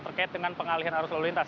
terkait dengan pengalihan arus lalu lintas